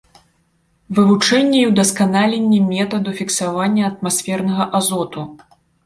Вывучэнне і ўдасканаленне метаду фіксавання атмасфернага азоту.